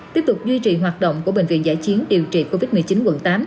tiếp tục duy trì hoạt động của bệnh viện giải chiến điều trị covid một mươi chín quận tám